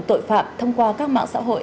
tội phạm thông qua các mạng xã hội